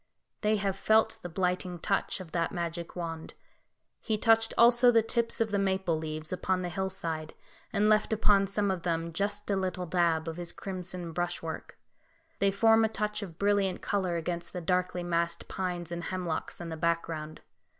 They have felt the blighting touch of that magic wand. He touched also the tips of the maple leaves upon the hillside, and left upon some of them just a little dab of his crimson brushwork; they form a touch of brilliant colour against the darkly massed pines and hemlocks in the background.